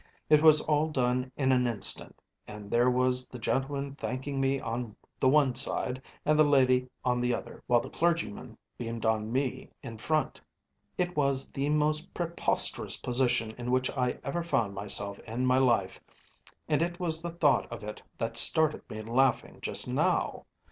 It was all done in an instant, and there was the gentleman thanking me on the one side and the lady on the other, while the clergyman beamed on me in front. It was the most preposterous position in which I ever found myself in my life, and it was the thought of it that started me laughing just now.